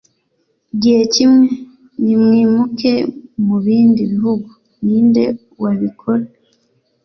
igihe gikwiye, nimwimuke mubindi bihugu. ninde wabikora